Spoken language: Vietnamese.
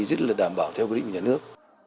lễ nghi rất là đảm bảo theo quy định của nhà nước